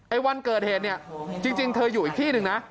วันเกิดเหตุเนี่ยจริงเธออยู่อีกที่หนึ่งนะ